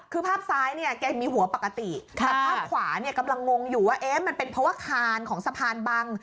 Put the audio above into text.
คือภาพซ้ายเนี่ยแกมีหัวปกติแต่ภาพขวาเนี่ยกำลังงงอยู่ว่าเอ๊ะมันเป็นเพราะว่าคานของสะพานบัง